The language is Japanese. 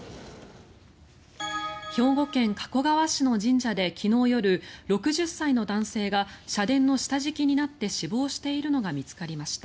兵庫県加古川市の神社で昨日夜６０歳の男性が社殿の下敷きになって死亡しているのが見つかりました。